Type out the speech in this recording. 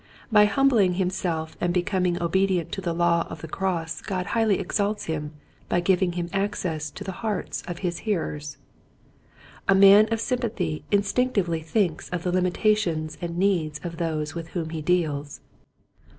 By humbling himself and becoming obedient to the law of the cross God highly exalts him by giving him access to the hearts of his hearers. A man of S3mipathy instinctively thinks of the limitations and needs of those with whom he deals.